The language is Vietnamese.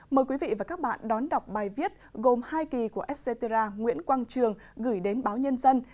mời quý vị và các bạn đón đọc bài viết gồm hai kỳ của scera nguyễn quang trường gửi đến báo nhân dân